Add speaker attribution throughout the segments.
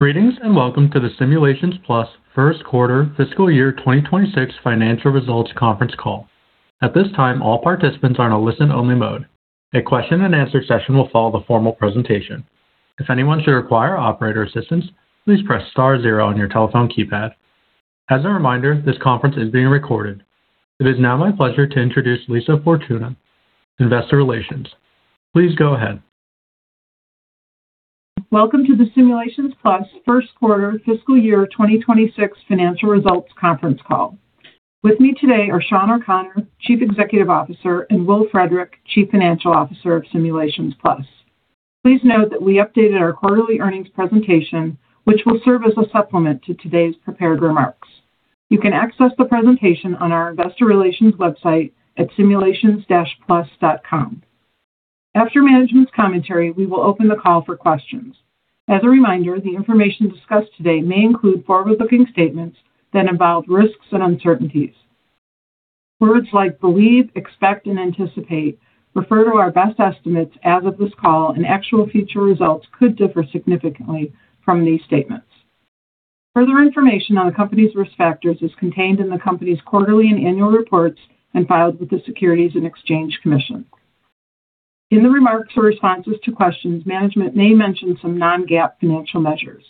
Speaker 1: Greetings and welcome to the Simulations Plus First Quarter Fiscal Year 2026 Financial Results Conference Call. At this time, all participants are in a listen-only mode. A question-and-answer session will follow the formal presentation. If anyone should require operator assistance, please press star zero on your telephone keypad. As a reminder, this conference is being recorded. It is now my pleasure to introduce Lisa Fortuna, Investor Relations. Please go ahead.
Speaker 2: Welcome to the Simulations Plus First Quarter Fiscal Year 2026 Financial Results Conference Call. With me today are Shawn O'Connor, Chief Executive Officer, and Will Frederick, Chief Financial Officer of Simulations Plus. Please note that we updated our quarterly earnings presentation, which will serve as a supplement to today's prepared remarks. You can access the presentation on our Investor Relations website at simulations-plus.com. After management's commentary, we will open the call for questions. As a reminder, the information discussed today may include forward-looking statements that involve risks and uncertainties. Words like believe, expect, and anticipate refer to our best estimates as of this call, and actual future results could differ significantly from these statements. Further information on the company's risk factors is contained in the company's quarterly and annual reports and filed with the Securities and Exchange Commission. In the remarks or responses to questions, management may mention some non-GAAP financial measures.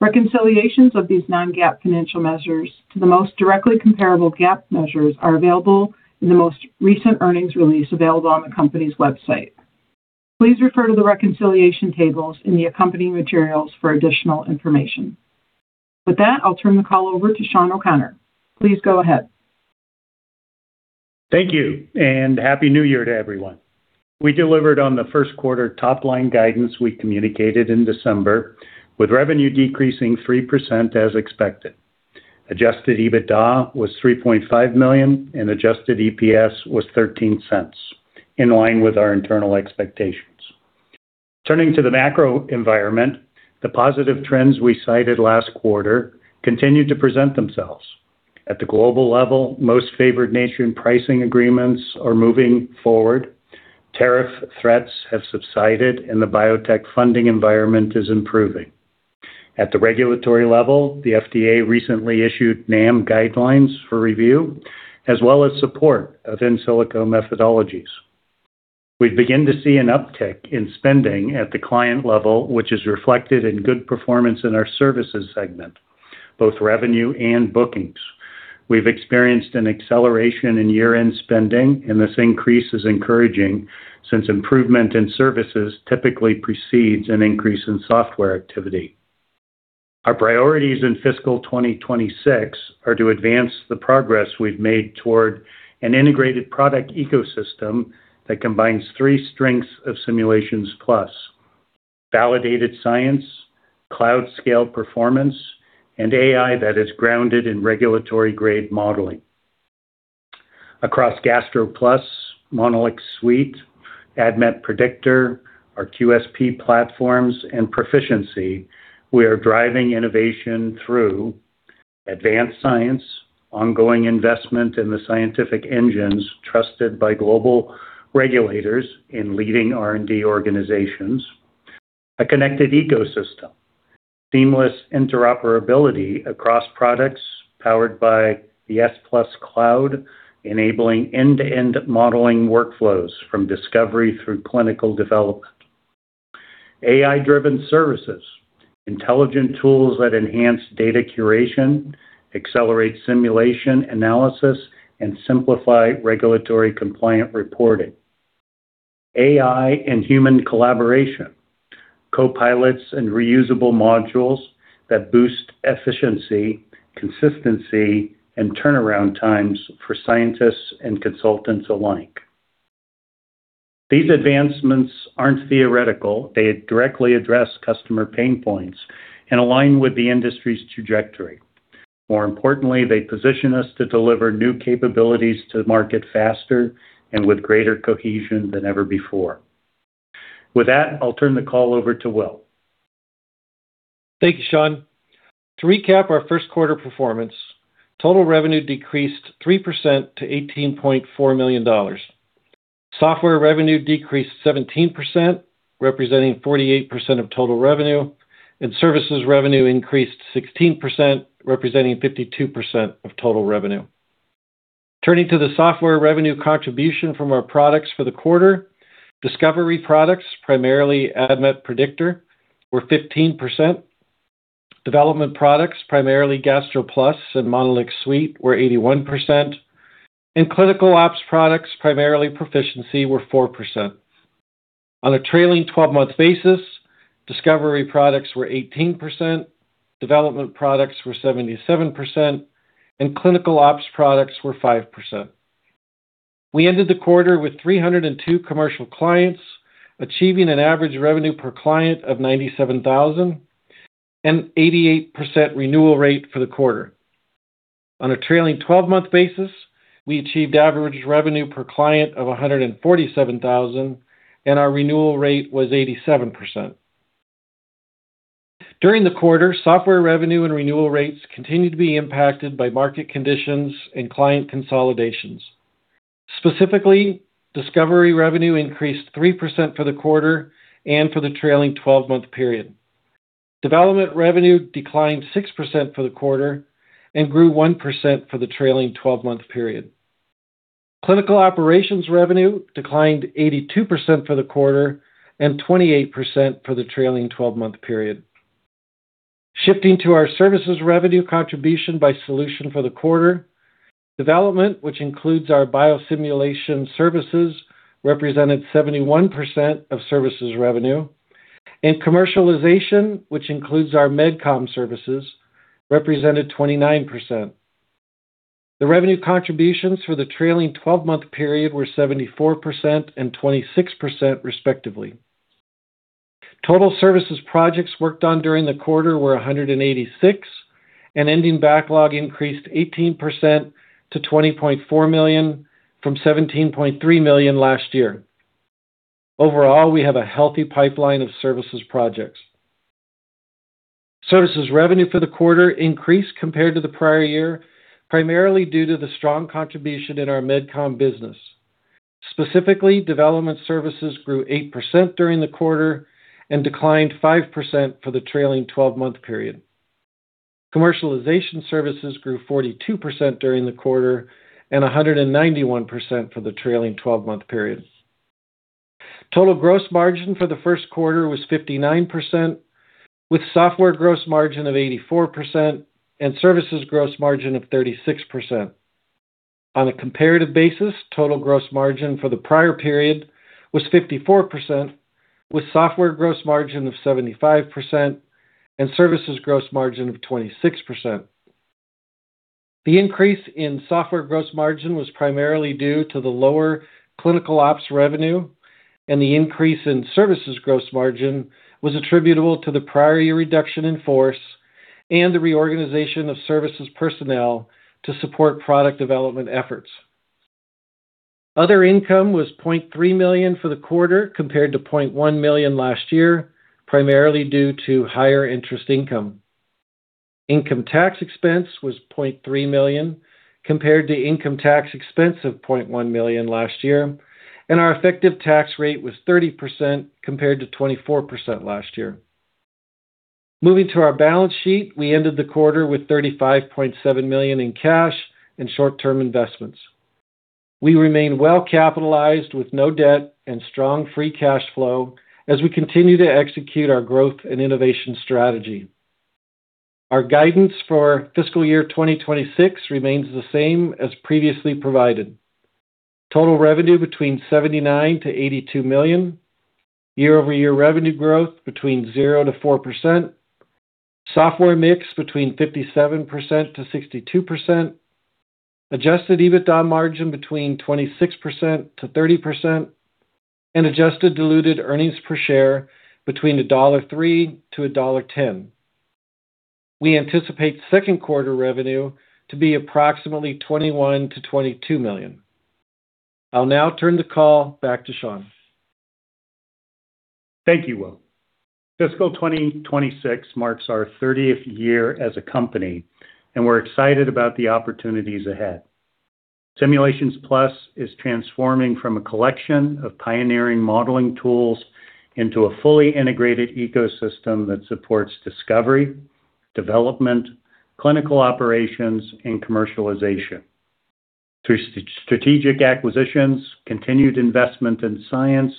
Speaker 2: Reconciliations of these non-GAAP financial measures to the most directly comparable GAAP measures are available in the most recent earnings release available on the company's website. Please refer to the reconciliation tables in the accompanying materials for additional information. With that, I'll turn the call over to Shawn O'Connor. Please go ahead.
Speaker 3: Thank you, and happy New Year to everyone. We delivered on the first quarter top-line guidance we communicated in December, with revenue decreasing 3% as expected. Adjusted EBITDA was $3.5 million, and adjusted EPS was $0.13, in line with our internal expectations. Turning to the macro environment, the positive trends we cited last quarter continued to present themselves. At the global level, Most Favored Nation pricing agreements are moving forward. Tariff threats have subsided, and the biotech funding environment is improving. At the regulatory level, the FDA recently issued NAM guidelines for review, as well as support of in silico methodologies. We've begun to see an uptick in spending at the client level, which is reflected in good performance in our services segment, both revenue and bookings. We've experienced an acceleration in year-end spending, and this increase is encouraging since improvement in services typically precedes an increase in software activity. Our priorities in fiscal 2026 are to advance the progress we've made toward an integrated product ecosystem that combines three strengths of Simulations Plus: validated science, cloud-scale performance, and AI that is grounded in regulatory-grade modeling. Across GastroPlus, MonolixSuite, ADMET Predictor, our QSP platforms, and Pro-ficiency, we are driving innovation through advanced science, ongoing investment in the scientific engines trusted by global regulators and leading R&D organizations, a connected ecosystem, seamless interoperability across products powered by the S+ Cloud, enabling end-to-end modeling workflows from discovery through clinical development, AI-driven services, intelligent tools that enhance data curation, accelerate simulation analysis, and simplify regulatory compliant reporting, AI and human collaboration, copilots and reusable modules that boost efficiency, consistency, and turnaround times for scientists and consultants alike. These advancements aren't theoretical; they directly address customer pain points and align with the industry's trajectory. More importantly, they position us to deliver new capabilities to the market faster and with greater cohesion than ever before. With that, I'll turn the call over to Will.
Speaker 4: Thank you, Shawn. To recap our first quarter performance, total revenue decreased 3% to $18.4 million. Software revenue decreased 17%, representing 48% of total revenue, and services revenue increased 16%, representing 52% of total revenue. Turning to the software revenue contribution from our products for the quarter, discovery products, primarily ADMET Predictor, were 15%. Development products, primarily GastroPlus and MonolixSuite, were 81%, and clinical ops products, primarily Pro-ficiency, were 4%. On a trailing 12-month basis, discovery products were 18%, development products were 77%, and clinical ops products were 5%. We ended the quarter with 302 commercial clients, achieving an average revenue per client of $97,000 and an 88% renewal rate for the quarter. On a trailing 12-month basis, we achieved average revenue per client of $147,000, and our renewal rate was 87%. During the quarter, software revenue and renewal rates continued to be impacted by market conditions and client consolidations. Specifically, discovery revenue increased 3% for the quarter and for the trailing 12-month period. Development revenue declined 6% for the quarter and grew 1% for the trailing 12-month period. Clinical operations revenue declined 82% for the quarter and 28% for the trailing 12-month period. Shifting to our services revenue contribution by solution for the quarter, development, which includes our biosimulation services, represented 71% of services revenue, and commercialization, which includes our med com services, represented 29%. The revenue contributions for the trailing 12-month period were 74% and 26%, respectively. Total services projects worked on during the quarter were 186, and ending backlog increased 18% to $20.4 million from $17.3 million last year. Overall, we have a healthy pipeline of services projects. Services revenue for the quarter increased compared to the prior year, primarily due to the strong contribution in our med com business. Specifically, development services grew 8% during the quarter and declined 5% for the trailing 12-month period. Commercialization services grew 42% during the quarter and 191% for the trailing 12-month period. Total gross margin for the first quarter was 59%, with software gross margin of 84% and services gross margin of 36%. On a comparative basis, total gross margin for the prior period was 54%, with software gross margin of 75% and services gross margin of 26%. The increase in software gross margin was primarily due to the lower clinical ops revenue, and the increase in services gross margin was attributable to the prior year reduction in force and the reorganization of services personnel to support product development efforts. Other income was $0.3 million for the quarter compared to $0.1 million last year, primarily due to higher interest income. Income tax expense was $0.3 million compared to income tax expense of $0.1 million last year, and our effective tax rate was 30% compared to 24% last year. Moving to our balance sheet, we ended the quarter with $35.7 million in cash and short-term investments. We remain well-capitalized with no debt and strong free cash flow as we continue to execute our growth and innovation strategy. Our guidance for fiscal year 2026 remains the same as previously provided: total revenue between $79-$82 million, year-over-year revenue growth between 0-4%, software mix between 57%-62%, adjusted EBITDA margin between 26%-30%, and adjusted diluted earnings per share between $1.03-$1.10. We anticipate second quarter revenue to be approximately $21-$22 million. I'll now turn the call back to Shawn.
Speaker 3: Thank you, Will. Fiscal 2026 marks our 30th year as a company, and we're excited about the opportunities ahead. Simulations Plus is transforming from a collection of pioneering modeling tools into a fully integrated ecosystem that supports discovery, development, clinical operations, and commercialization. Through strategic acquisitions, continued investment in science,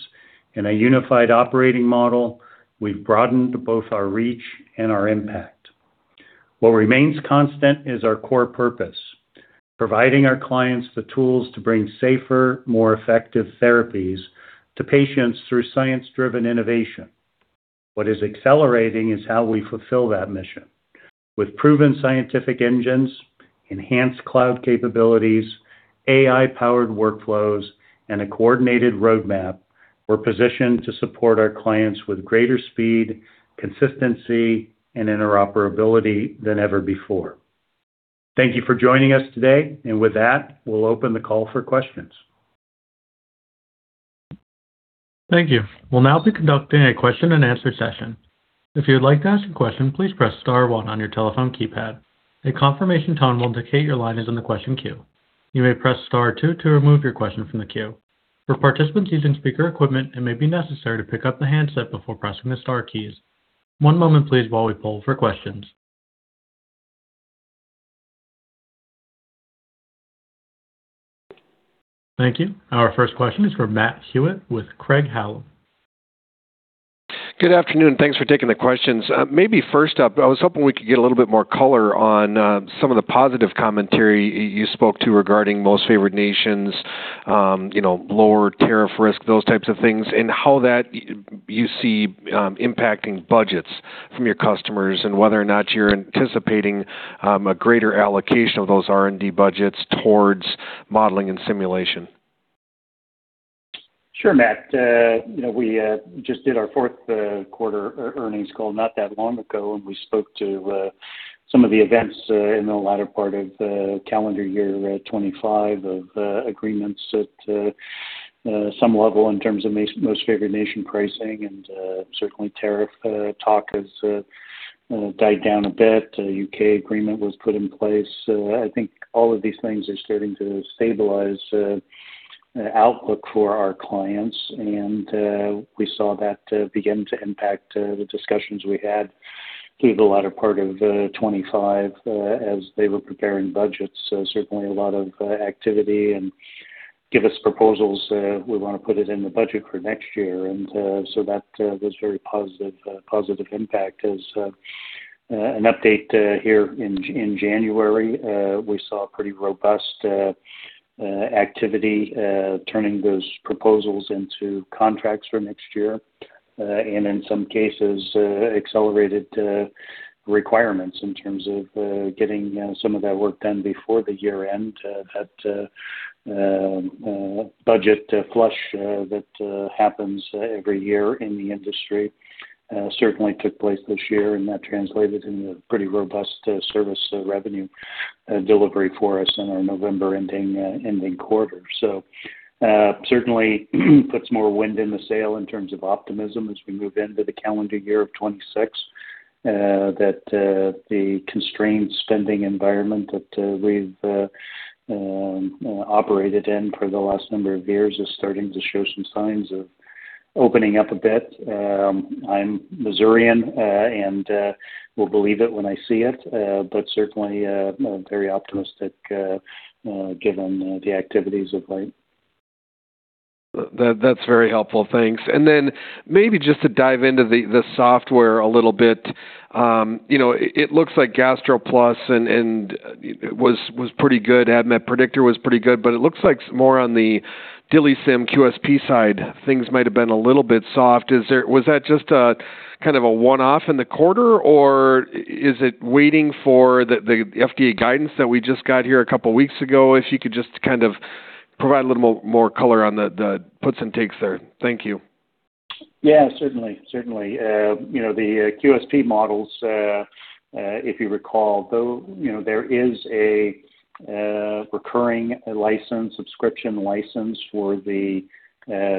Speaker 3: and a unified operating model, we've broadened both our reach and our impact. What remains constant is our core purpose: providing our clients the tools to bring safer, more effective therapies to patients through science-driven innovation. What is accelerating is how we fulfill that mission. With proven scientific engines, enhanced cloud capabilities, AI-powered workflows, and a coordinated roadmap, we're positioned to support our clients with greater speed, consistency, and interoperability than ever before. Thank you for joining us today, and with that, we'll open the call for questions.
Speaker 1: Thank you. We'll now be conducting a question-and-answer session. If you'd like to ask a question, please press star one on your telephone keypad. A confirmation tone will indicate your line is in the question queue. You may press star two to remove your question from the queue. For participants using speaker equipment, it may be necessary to pick up the handset before pressing the star keys. One moment, please, while we pull for questions. Thank you. Our first question is for Matt Hewitt with Craig-Hallum.
Speaker 5: Good afternoon. Thanks for taking the questions. Maybe first up, I was hoping we could get a little bit more color on some of the positive commentary you spoke to regarding Most Favored Nations, lower tariff risk, those types of things, and how that you see impacting budgets from your customers and whether or not you're anticipating a greater allocation of those R&D budgets towards modeling and simulation?
Speaker 3: Sure, Matt. We just did our fourth quarter earnings call not that long ago, and we spoke to some of the events in the latter part of calendar year 2025 of agreements at some level in terms of most favored nation pricing, and certainly tariff talk has died down a bit. The U.K. agreement was put in place. I think all of these things are starting to stabilize the outlook for our clients, and we saw that begin to impact the discussions we had through the latter part of 2025 as they were preparing budgets. Certainly, a lot of activity and give us proposals we want to put it in the budget for next year, and so that was a very positive impact. As an update here in January, we saw pretty robust activity turning those proposals into contracts for next year and, in some cases, accelerated requirements in terms of getting some of that work done before the year-end. That budget flush that happens every year in the industry certainly took place this year, and that translated into pretty robust service revenue delivery for us in our November-ending quarter. So certainly puts more wind in the sail in terms of optimism as we move into the calendar year of 2026. That the constrained spending environment that we've operated in for the last number of years is starting to show some signs of opening up a bit. I'm Missourian, and we'll believe it when I see it, but certainly very optimistic given the activities of late.
Speaker 5: That's very helpful. Thanks. And then maybe just to dive into the software a little bit, it looks like GastroPlus was pretty good. ADMET Predictor was pretty good, but it looks like more on the DILIsym QSP side, things might have been a little bit soft. Was that just kind of a one-off in the quarter, or is it waiting for the FDA guidance that we just got here a couple of weeks ago? If you could just kind of provide a little more color on the puts and takes there. Thank you.
Speaker 3: Yeah, certainly. Certainly. The QSP models, if you recall, there is a recurring license, subscription license for the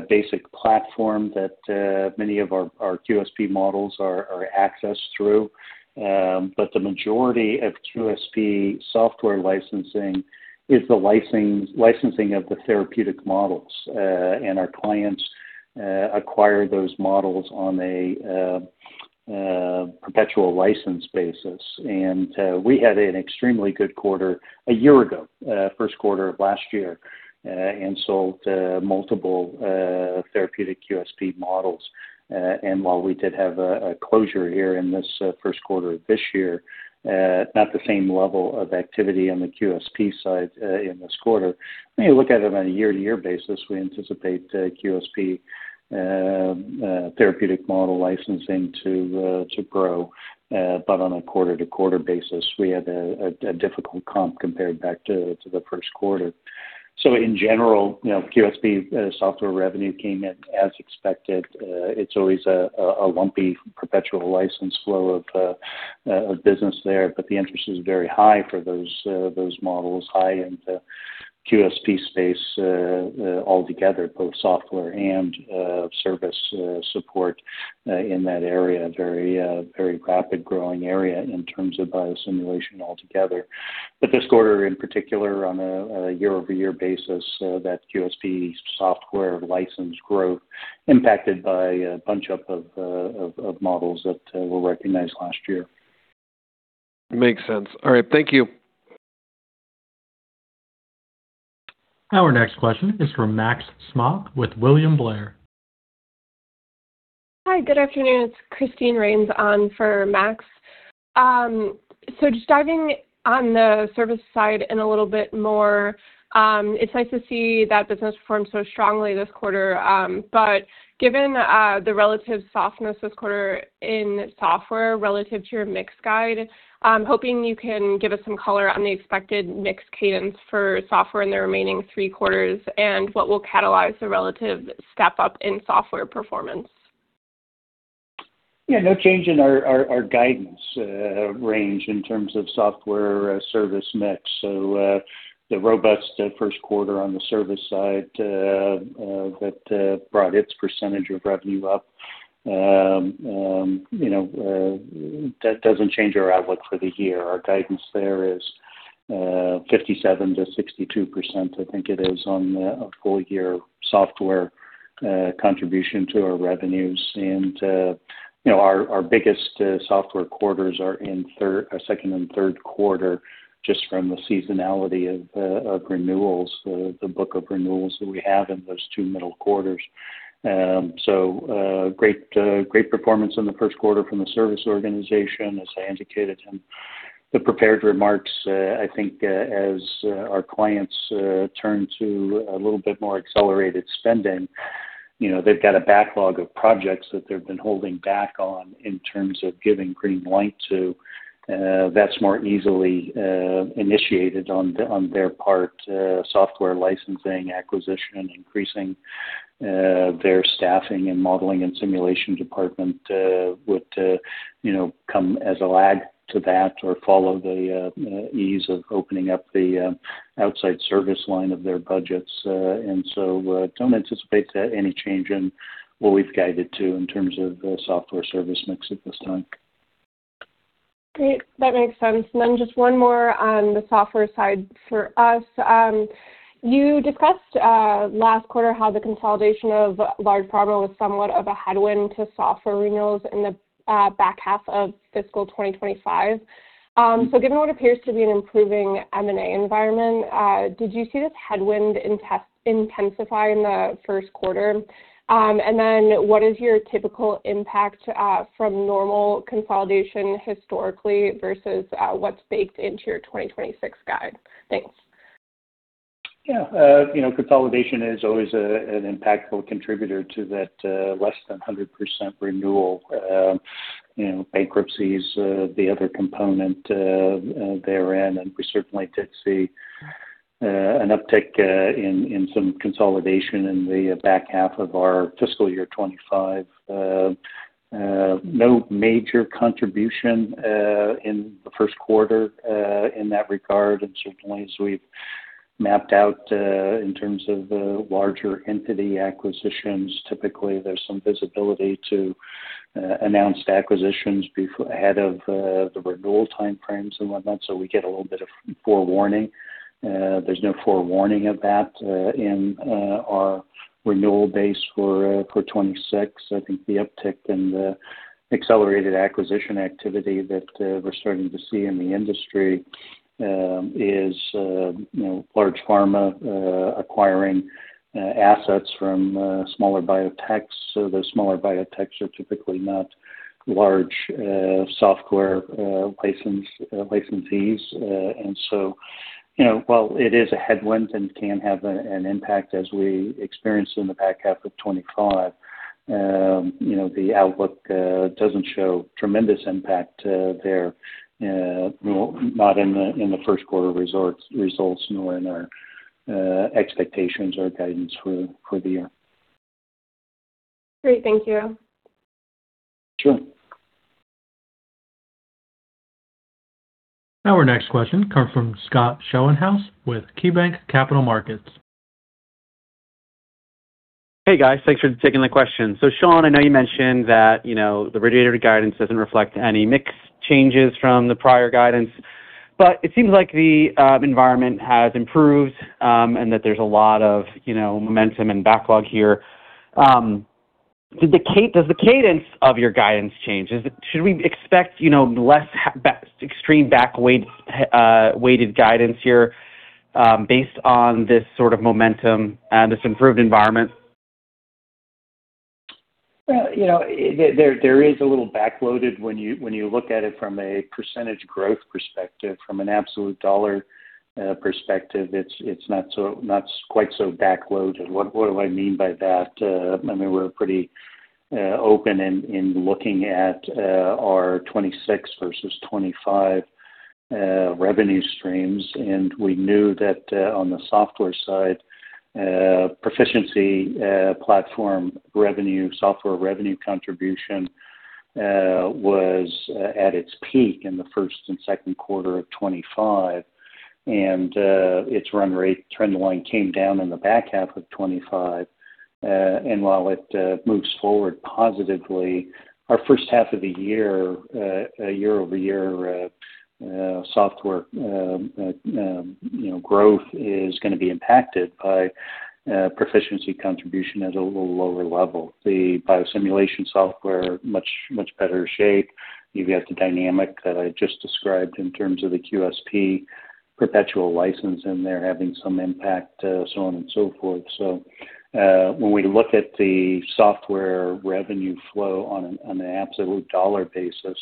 Speaker 3: basic platform that many of our QSP models are accessed through. But the majority of QSP software licensing is the licensing of the therapeutic models, and our clients acquire those models on a perpetual license basis. And we had an extremely good quarter a year ago, first quarter of last year, and sold multiple therapeutic QSP models. And while we did have a closure here in this first quarter of this year, not the same level of activity on the QSP side in this quarter. When you look at it on a year-to-year basis, we anticipate QSP therapeutic model licensing to grow, but on a quarter-to-quarter basis, we had a difficult comp compared back to the first quarter. So in general, QSP software revenue came in as expected. It's always a lumpy perpetual license flow of business there, but the interest is very high for those models, high in the QSP space altogether, both software and service support in that area, very rapid growing area in terms of biosimulation altogether. But this quarter, in particular, on a year-over-year basis, that QSP software license growth impacted by a bunch of models that were recognized last year.
Speaker 5: Makes sense. All right. Thank you.
Speaker 1: Our next question is from Max Smock with William Blair.
Speaker 6: Hi, good afternoon. It's Christine Rains on for Max. So just diving on the service side in a little bit more, it's nice to see that business performed so strongly this quarter. But given the relative softness this quarter in software relative to your mix guide, I'm hoping you can give us some color on the expected mix cadence for software in the remaining three quarters and what will catalyze the relative step up in software performance?
Speaker 3: Yeah, no change in our guidance range in terms of software service mix. So the robust first quarter on the service side that brought its percentage of revenue up, that doesn't change our outlook for the year. Our guidance there is 57%-62%, I think it is, on a full-year software contribution to our revenues. And our biggest software quarters are in second and third quarter just from the seasonality of renewals, the book of renewals that we have in those two middle quarters. So great performance in the first quarter from the service organization, as I indicated in the prepared remarks. I think as our clients turn to a little bit more accelerated spending, they've got a backlog of projects that they've been holding back on in terms of giving green light to. That's more easily initiated on their part, software licensing, acquisition, increasing their staffing and modeling and simulation department would come as a lag to that or follow the ease of opening up the outside service line of their budgets. And so don't anticipate any change in what we've guided to in terms of software service mix at this time.
Speaker 6: Great. That makes sense, and then just one more on the software side for us. You discussed last quarter how the consolidation of large pharma was somewhat of a headwind to software renewals in the back half of fiscal 2025, so given what appears to be an improving M&A environment, did you see this headwind intensify in the first quarter? And then, what is your typical impact from normal consolidation historically versus what's baked into your 2026 guide? Thanks.
Speaker 3: Yeah. Consolidation is always an impactful contributor to that less than 100% renewal. Bankruptcy is the other component therein, and we certainly did see an uptick in some consolidation in the back half of our fiscal year 2025. No major contribution in the first quarter in that regard. And certainly, as we've mapped out in terms of larger entity acquisitions, typically there's some visibility to announced acquisitions ahead of the renewal timeframes and whatnot, so we get a little bit of forewarning. There's no forewarning of that in our renewal base for 2026. I think the uptick in the accelerated acquisition activity that we're starting to see in the industry is large pharma acquiring assets from smaller biotechs. Those smaller biotechs are typically not large software licensees. And so while it is a headwind and can have an impact as we experience in the back half of 2025, the outlook doesn't show tremendous impact there, not in the first quarter results nor in our expectations or guidance for the year.
Speaker 6: Great. Thank you.
Speaker 3: Sure.
Speaker 1: Our next question comes from Scott Schoenhaus with KeyBanc Capital Markets.
Speaker 7: Hey, guys. Thanks for taking the question. So Shawn, I know you mentioned that the regulatory guidance doesn't reflect any mix changes from the prior guidance, but it seems like the environment has improved and that there's a lot of momentum and backlog here. Does the cadence of your guidance change? Should we expect less extreme back-weighted guidance here based on this sort of momentum and this improved environment?
Speaker 3: There is a little backloaded when you look at it from a percentage growth perspective. From an absolute dollar perspective, it's not quite so backloaded. What do I mean by that? I mean, we're pretty open in looking at our 2026 versus 2025 revenue streams, and we knew that on the software side, Pro-ficiency platform revenue, software revenue contribution was at its peak in the first and second quarter of 2025, and its run rate trend line came down in the back half of 2025. And while it moves forward positively, our first half of the year, year-over-year software growth is going to be impacted by Pro-ficiency contribution at a little lower level. The biosimulation software, much better shape. You've got the dynamic that I just described in terms of the QSP perpetual license in there having some impact, so on and so forth. When we look at the software revenue flow on an absolute dollar basis,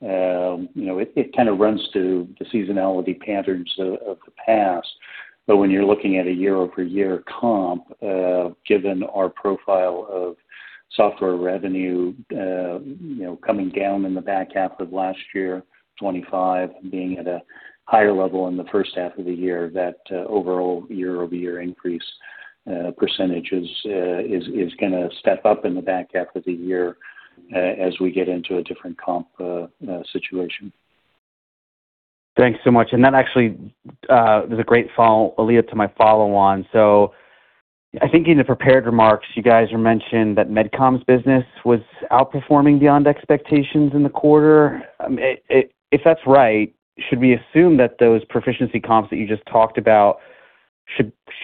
Speaker 3: it kind of runs through the seasonality patterns of the past. When you're looking at a year-over-year comp, given our profile of software revenue coming down in the back half of last year, 2025 being at a higher level in the first half of the year, that overall year-over-year increase percentage is going to step up in the back half of the year as we get into a different comp situation.
Speaker 7: Thanks so much, and that actually is a great follow earlier to my follow on, so I think in the prepared remarks, you guys mentioned that med com's business was outperforming beyond expectations in the quarter. If that's right, should we assume that those Pro-ficiency comps that you just talked about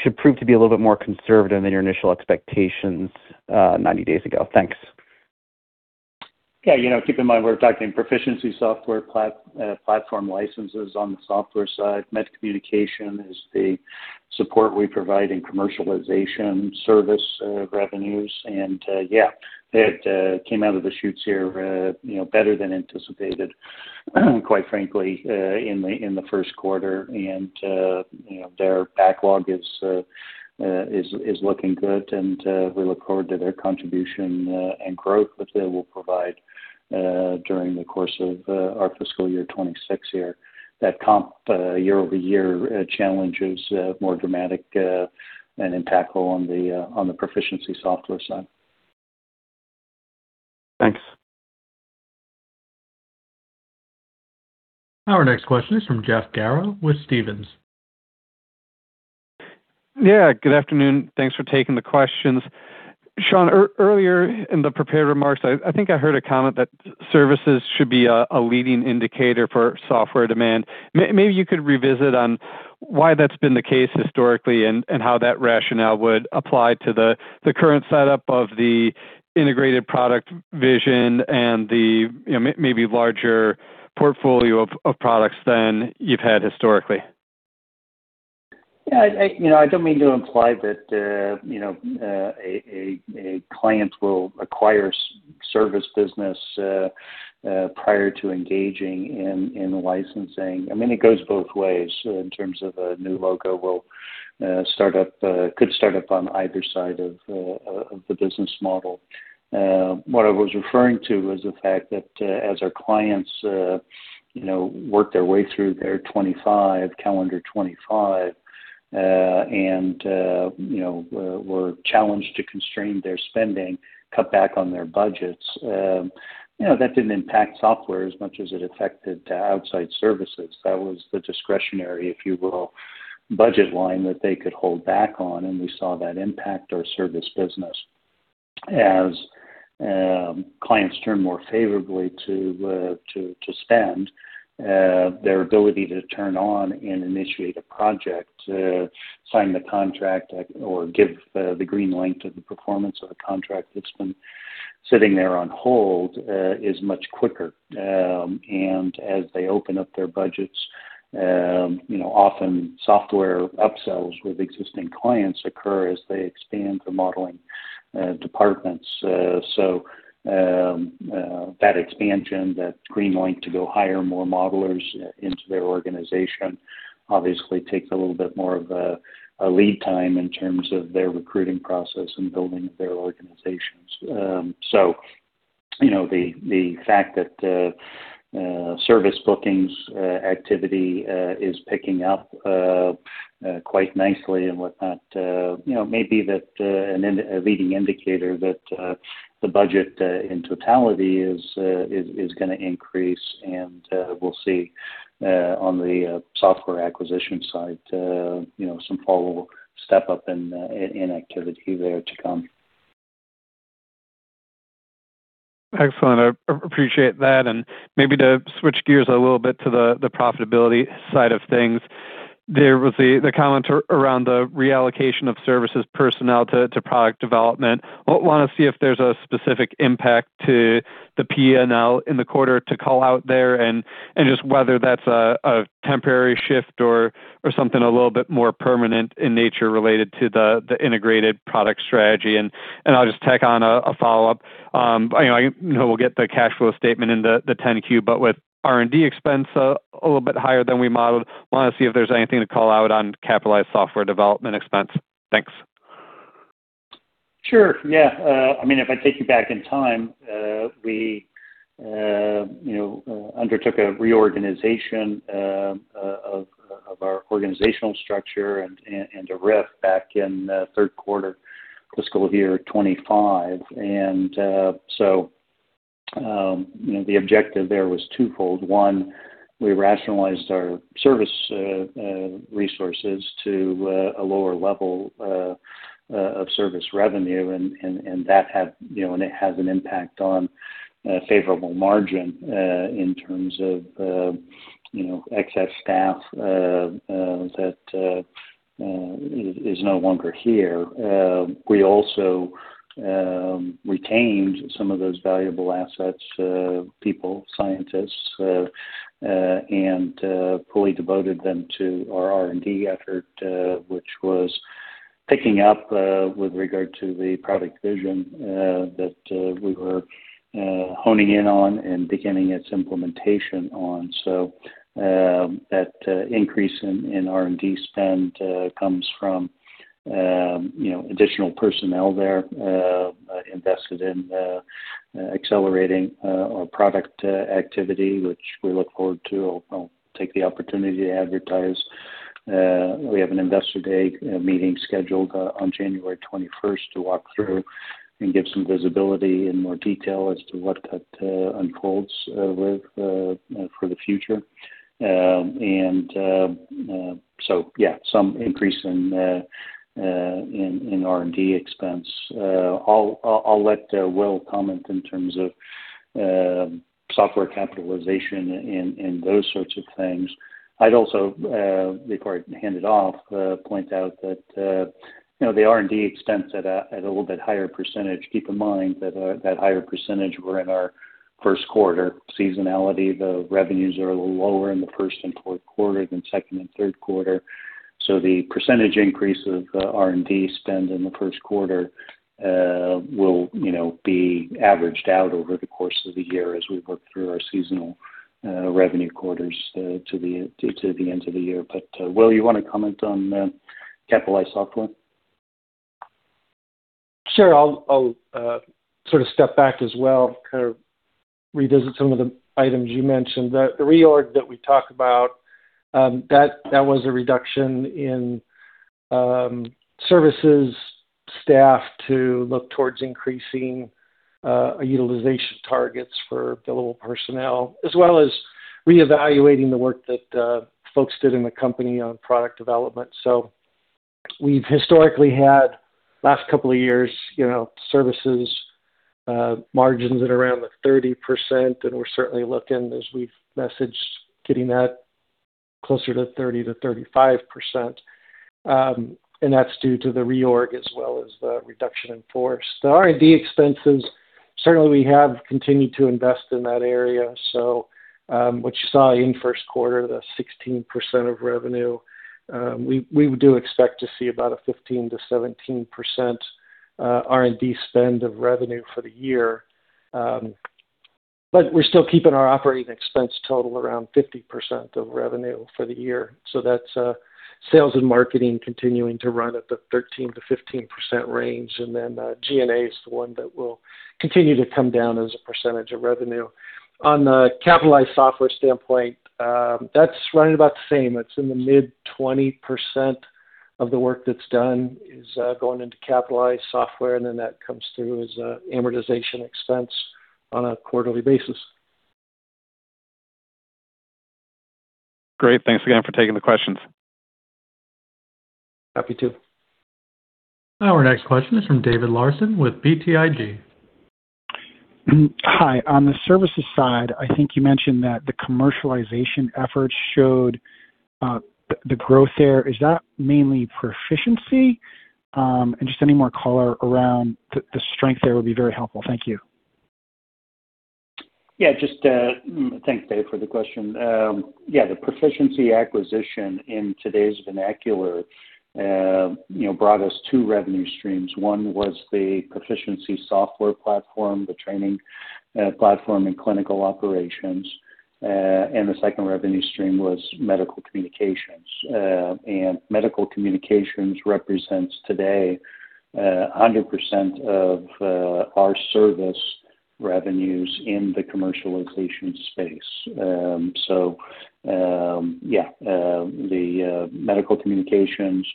Speaker 7: should prove to be a little bit more conservative than your initial expectations 90 days ago? Thanks.
Speaker 3: Yeah. Keep in mind we're talking Pro-ficiency software platform licenses on the software side. Med communication is the support we provide in commercialization service revenues. And yeah, it came out of the chutes here better than anticipated, quite frankly, in the first quarter. And their backlog is looking good, and we look forward to their contribution and growth that they will provide during the course of our fiscal year 2026 here. That comp year-over-year challenge is more dramatic and impactful on the Pro-ficiency software side.
Speaker 7: Thanks.
Speaker 1: Our next question is from Jeff Garro with Stephens.
Speaker 8: Yeah. Good afternoon. Thanks for taking the questions. Shawn, earlier in the prepared remarks, I think I heard a comment that services should be a leading indicator for software demand. Maybe you could revisit on why that's been the case historically and how that rationale would apply to the current setup of the integrated product vision and the maybe larger portfolio of products than you've had historically.
Speaker 3: Yeah. I don't mean to imply that a client will acquire service business prior to engaging in licensing. I mean, it goes both ways in terms of a new logo will start up, could start up on either side of the business model. What I was referring to was the fact that as our clients work their way through their 2025, calendar 2025, and were challenged to constrain their spending, cut back on their budgets, that didn't impact software as much as it affected outside services. That was the discretionary, if you will, budget line that they could hold back on, and we saw that impact our service business. As clients turn more favorably to spend, their ability to turn on and initiate a project, sign the contract, or give the green light to the performance of a contract that's been sitting there on hold is much quicker. And as they open up their budgets, often software upsells with existing clients occur as they expand their modeling departments. So that expansion, that green light to go hire more modelers into their organization obviously takes a little bit more of a lead time in terms of their recruiting process and building their organizations. So the fact that service bookings activity is picking up quite nicely and whatnot may be a leading indicator that the budget in totality is going to increase, and we'll see on the software acquisition side some follow-up step up in activity there to come.
Speaker 8: Excellent. I appreciate that. And maybe to switch gears a little bit to the profitability side of things, there was the comment around the reallocation of services personnel to product development. I want to see if there's a specific impact to the P&L in the quarter to call out there and just whether that's a temporary shift or something a little bit more permanent in nature related to the integrated product strategy. And I'll just tack on a follow-up. I know we'll get the cash flow statement in the 10-Q, but with R&D expense a little bit higher than we modeled, want to see if there's anything to call out on capitalized software development expense. Thanks.
Speaker 3: Sure. Yeah. I mean, if I take you back in time, we undertook a reorganization of our organizational structure and a RIF back in third quarter fiscal year 2025. And so the objective there was twofold. One, we rationalized our service resources to a lower level of service revenue, and that has an impact on favorable margin in terms of excess staff that is no longer here. We also retained some of those valuable assets, people, scientists, and fully devoted them to our R&D effort, which was picking up with regard to the product vision that we were honing in on and beginning its implementation on. So that increase in R&D spend comes from additional personnel there invested in accelerating our product activity, which we look forward to. I'll take the opportunity to advertise. We have an Investor Day meeting scheduled on January 21st to walk through and give some visibility in more detail as to what that unfolds with for the future. And so yeah, some increase in R&D expense. I'll let Will comment in terms of software capitalization and those sorts of things. I'd also, before I hand it off, point out that the R&D expense at a little bit higher percentage. Keep in mind that that higher percentage were in our first quarter. Seasonality, the revenues are a little lower in the first and fourth quarter than second and third quarter. So the percentage increase of R&D spend in the first quarter will be averaged out over the course of the year as we work through our seasonal revenue quarters to the end of the year. But Will, you want to comment on capitalized software?
Speaker 4: Sure. I'll sort of step back as well, kind of revisit some of the items you mentioned. The reorg that we talked about, that was a reduction in services staff to look towards increasing utilization targets for billable personnel, as well as reevaluating the work that folks did in the company on product development. So we've historically had, last couple of years, services margins at around 30%, and we're certainly looking, as we've messaged, getting that closer to 30%-35%. And that's due to the reorg as well as the reduction in force. The R&D expenses, certainly we have continued to invest in that area. So what you saw in first quarter, the 16% of revenue, we do expect to see about a 15%-17% R&D spend of revenue for the year. But we're still keeping our operating expense total around 50% of revenue for the year. That's sales and marketing continuing to run at the 13%-15% range, and then G&A is the one that will continue to come down as a percentage of revenue. On the capitalized software standpoint, that's running about the same. It's in the mid-20% of the work that's done is going into capitalized software, and then that comes through as amortization expense on a quarterly basis.
Speaker 8: Great. Thanks again for taking the questions.
Speaker 3: Happy to.
Speaker 1: Our next question is from David Larsen with BTIG.
Speaker 9: Hi. On the services side, I think you mentioned that the commercialization effort showed the growth there. Is that mainly Pro-ficiency? And just any more color around the strength there would be very helpful. Thank you.
Speaker 3: Yeah. Just thanks, Dave, for the question. Yeah. The Pro-ficiency acquisition in today's vernacular brought us two revenue streams. One was the Pro-ficiency software platform, the training platform in clinical operations. And the second revenue stream was medical communications. And medical communications represents today 100% of our service revenues in the commercialization space. So yeah, the medical communications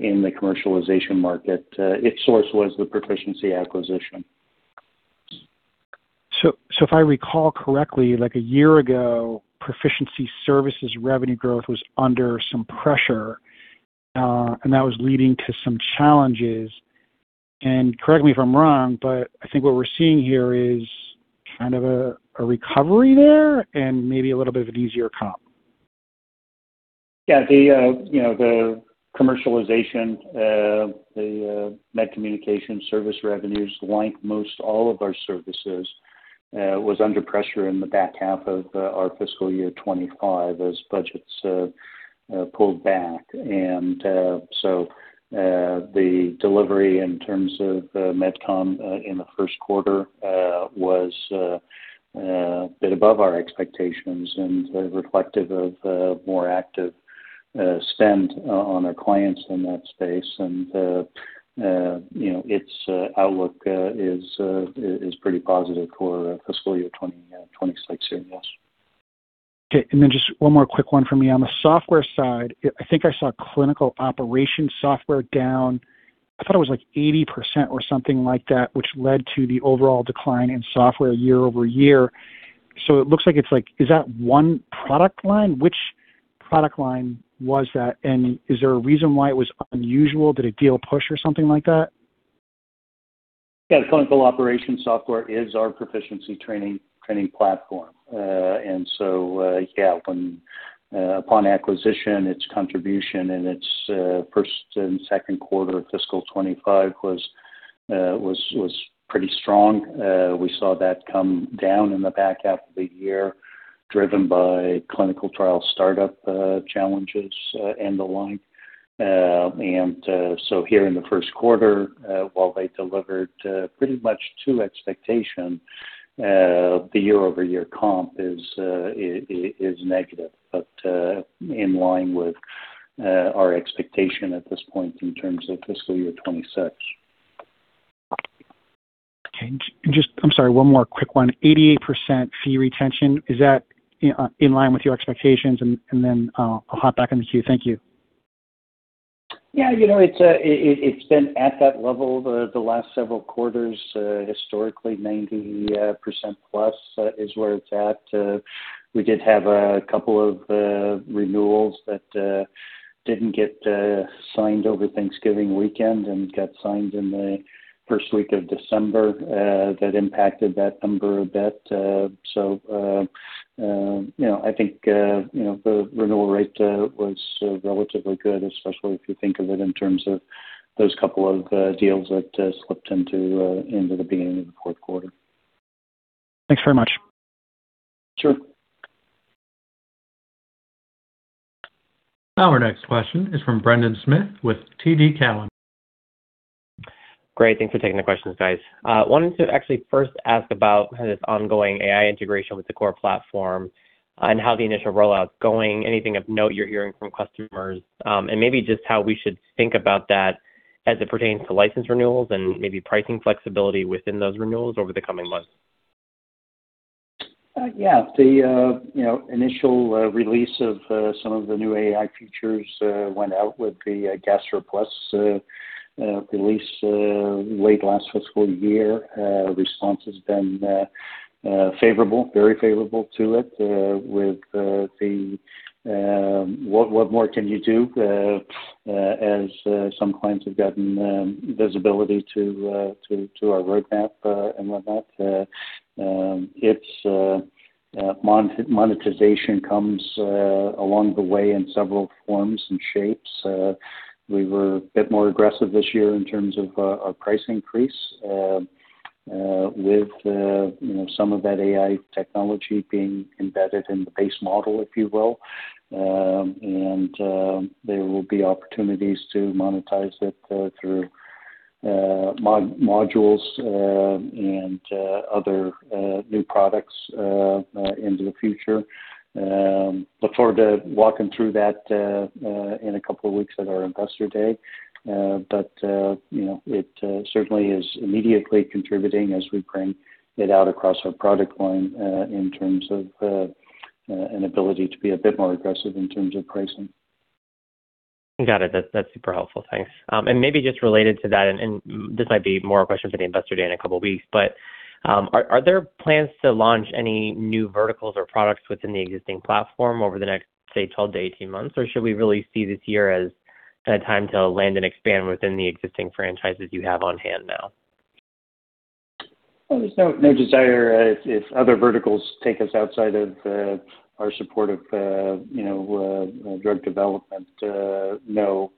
Speaker 3: in the commercialization market, its source was the Pro-ficiency acquisition.
Speaker 9: So if I recall correctly, like a year ago, Pro-ficiency services revenue growth was under some pressure, and that was leading to some challenges. And correct me if I'm wrong, but I think what we're seeing here is kind of a recovery there and maybe a little bit of an easier comp.
Speaker 3: Yeah. The commercialization, the med com service revenues, like most all of our services, was under pressure in the back half of our fiscal year 2025 as budgets pulled back. And so the delivery in terms of med com in the first quarter was a bit above our expectations and reflective of more active spend on our clients in that space. And its outlook is pretty positive for fiscal year 2026 here, yes.
Speaker 9: Okay. And then just one more quick one from me. On the software side, I think I saw clinical operation software down, I thought it was like 80% or something like that, which led to the overall decline in software year over year. So it looks like it's like, is that one product line? Which product line was that? And is there a reason why it was unusual? Did it deal push or something like that?
Speaker 3: Yeah. Clinical operations software is our Pro-ficiency training platform. And so yeah, upon acquisition, its contribution in its first and second quarter of fiscal 2025 was pretty strong. We saw that come down in the back half of the year driven by clinical trial startup challenges and the like. And so here in the first quarter, while they delivered pretty much to expectation, the year-over-year comp is negative, but in line with our expectation at this point in terms of fiscal year 2026.
Speaker 9: Okay. I'm sorry. One more quick one. 88% fee retention. Is that in line with your expectations? And then I'll hop back in the queue. Thank you.
Speaker 3: Yeah. It's been at that level the last several quarters. Historically, 90% plus is where it's at. We did have a couple of renewals that didn't get signed over Thanksgiving weekend and got signed in the first week of December that impacted that number a bit. So I think the renewal rate was relatively good, especially if you think of it in terms of those couple of deals that slipped into the beginning of the fourth quarter.
Speaker 9: Thanks very much.
Speaker 3: Sure.
Speaker 1: Our next question is from Brendan Smith with TD Cowen.
Speaker 10: Great. Thanks for taking the questions, guys. Wanted to actually first ask about this ongoing AI integration with the core platform and how the initial rollout's going, anything of note you're hearing from customers, and maybe just how we should think about that as it pertains to license renewals and maybe pricing flexibility within those renewals over the coming months?
Speaker 3: Yeah. The initial release of some of the new AI features went out with the GastroPlus release late last fiscal year. Response has been favorable, very favorable to it with the, "What more can you do?" as some clients have gotten visibility to our roadmap and whatnot. Monetization comes along the way in several forms and shapes. We were a bit more aggressive this year in terms of our price increase with some of that AI technology being embedded in the base model, if you will. And there will be opportunities to monetize it through modules and other new products into the future. Look forward to walking through that in a couple of weeks at our Investor Day. But it certainly is immediately contributing as we bring it out across our product line in terms of an ability to be a bit more aggressive in terms of pricing.
Speaker 10: Got it. That's super helpful. Thanks. And maybe just related to that, and this might be more of a question for the Investor Day in a couple of weeks, but are there plans to launch any new verticals or products within the existing platform over the next, say, 12 to 18 months? Or should we really see this year as a time to land and expand within the existing franchises you have on hand now?
Speaker 4: There's no desire. If other verticals take us outside of our support of drug development, no.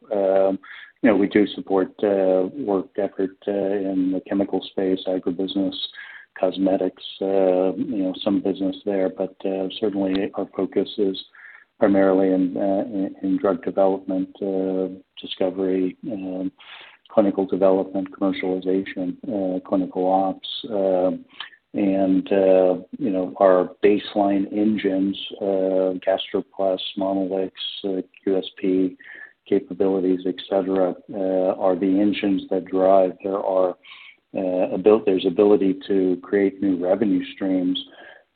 Speaker 4: We do support work effort in the chemical space, agribusiness, cosmetics, some business there. But certainly, our focus is primarily in drug development, discovery, clinical development, commercialization, clinical ops, and our baseline engines, GastroPlus, Monolix, QSP capabilities, etc., are the engines that drive their ability to create new revenue streams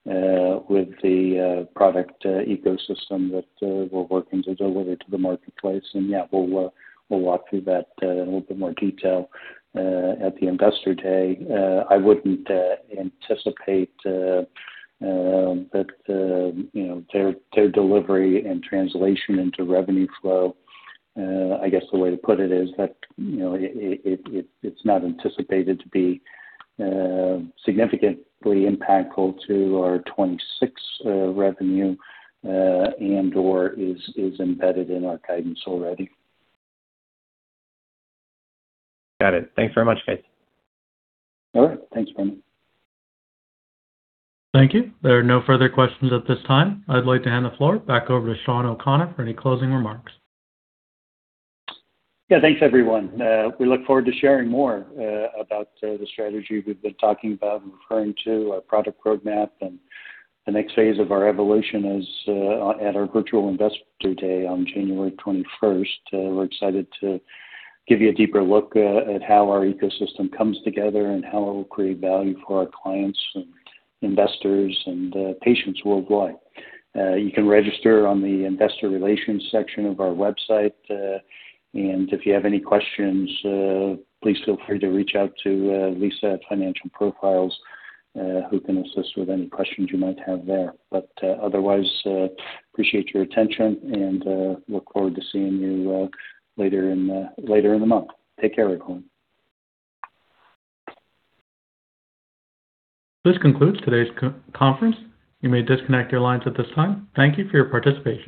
Speaker 4: with the product ecosystem that we're working to deliver to the marketplace, and yeah, we'll walk through that in a little bit more detail at the Investor Day. I wouldn't anticipate that their delivery and translation into revenue flow. I guess the way to put it is that it's not anticipated to be significantly impactful to our 2026 revenue and/or is embedded in our guidance already.
Speaker 10: Got it. Thanks very much, guys.
Speaker 3: All right. Thanks, Brendan.
Speaker 1: Thank you. There are no further questions at this time. I'd like to hand the floor back over to Shawn O'Connor for any closing remarks.
Speaker 3: Yeah. Thanks, everyone. We look forward to sharing more about the strategy we've been talking about and referring to, our product roadmap, and the next phase of our evolution at our virtual Investor Day on January 21st. We're excited to give you a deeper look at how our ecosystem comes together and how it will create value for our clients and investors and patients worldwide. You can register on the investor relations section of our website, and if you have any questions, please feel free to reach out to Lisa at Financial Profiles, who can assist with any questions you might have there, but otherwise, appreciate your attention and look forward to seeing you later in the month. Take care, everyone.
Speaker 1: This concludes today's conference. You may disconnect your lines at this time. Thank you for your participation.